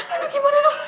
aduh gimana tuh